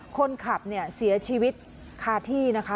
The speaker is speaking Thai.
คนขับเนี่ยเสียชีวิตคาที่นะคะ